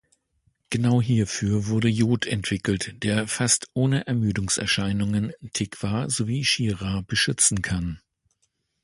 Genau hierfür wurde Jod entwickelt, der fast ohne Ermüdungserscheinungen Tikva sowie Shira beschützen kann.